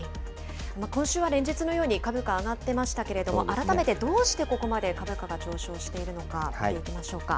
今週は連日のように株価上がってましたけれども、改めてどうしてここまで株価が上昇しているのか、見ていきましょうか。